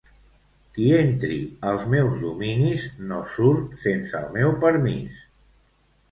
Qui entri als meus dominis no surt sense el meu permís.